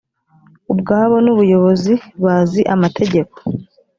ubwabo n ‘ubuyobozi bazi amategeko.